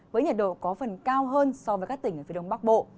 với nhiệt độ có phần cao hơn so với các tỉnh ở phía đông bắc bộ